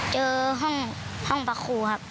เจอห้องปลาครูครับ